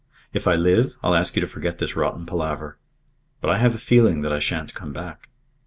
If I live, I'll ask you to forget this rotten palaver. But I have a feeling that I shan't come back.